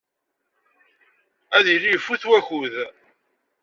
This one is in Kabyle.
Ad yili ifut wakud.